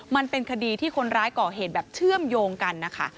มันเป็นคดีที่คนร้ายก่อเหตุแบบเชื่อมโยงกันนะคะ